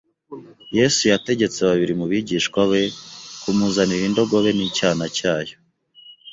Yesu yategetse babiri mu bigishwa be kumuzanira indogobe n'icyana cyayo.